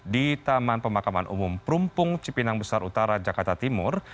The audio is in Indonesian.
di taman pemakaman umum perumpung cipinang besar utara jakarta timur